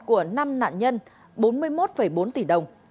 của năm nạn nhân bốn mươi một bốn tỷ đồng